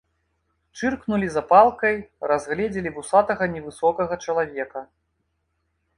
Чыркнулі запалкай, разгледзелі вусатага невысокага чалавека.